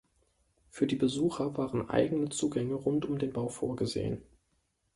Für die Besucher waren eigene Zugänge rund um den Bau vorgesehen.